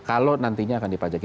kalau nantinya akan dipajak